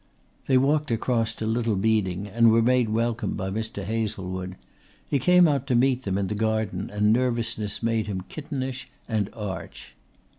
They walked across to Little Beeding and were made welcome by Mr. Hazlewood. He came out to meet them in the garden and nervousness made him kittenish and arch.